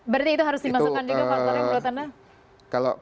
berarti itu harus dimasukkan juga faktor yang beruntung